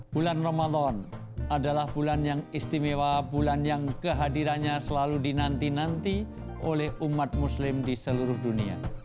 bulan ramadan adalah bulan yang istimewa bulan yang kehadirannya selalu dinanti nanti oleh umat muslim di seluruh dunia